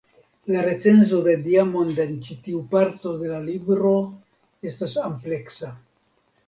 La recenzo de Diamond en ĉi tiu parto de la libro estas ampleksa.